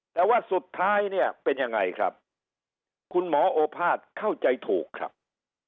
แต่ว่าสุดท้ายเนี่ยเป็นยังไงครับคุณหมอโอภาษย์เข้าใจถูกครับ